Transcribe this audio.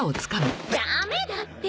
ダメだって！